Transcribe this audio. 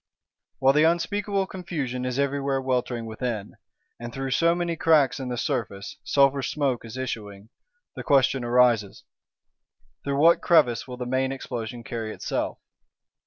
While the unspeakable confusion is everywhere weltering within, and through so many cracks in the surface sulphur smoke is issuing, the question arises: Through what crevice will the main Explosion carry itself?